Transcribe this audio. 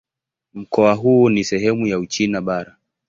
Mkoa huu ni sehemu ya Uchina Bara.